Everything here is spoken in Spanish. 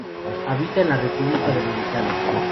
Habita en la República Dominicana.